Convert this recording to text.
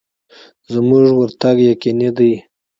زموږ ورتګ یقیني دی.